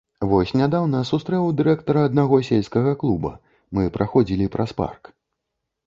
Вось нядаўна сустрэў дырэктара аднаго сельскага клуба, мы праходзілі праз парк.